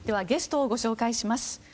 ゲストをご紹介します。